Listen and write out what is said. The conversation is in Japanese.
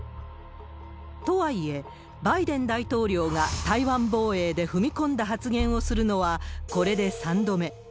とはいえ、バイデン大統領が台湾防衛で踏み込んだ発言をするのは、これで３度目。